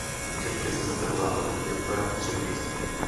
Děvče ze zlatého Západu je opera o třech dějstvích.